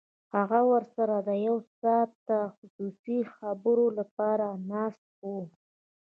هغه ورسره د یو ساعته خصوصي خبرو لپاره ناست و